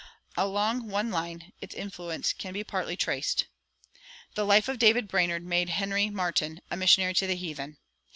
Along one line its influence can be partly traced. The "Life of David Brainerd" made Henry Martyn a missionary to the heathen.